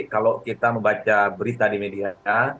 kalau kita membaca berita di medianya